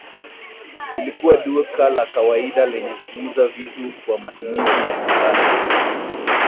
Lilikuwa duka la kawaida lenye kuuza vitu kwa matumizi ya nyumbani